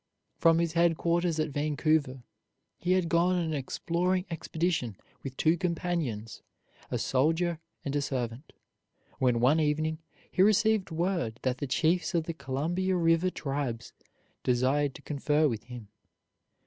From his headquarters at Vancouver he had gone on an exploring expedition with two companions, a soldier and a servant, when one evening he received word that the chiefs of the Columbia River tribes desired to confer with him.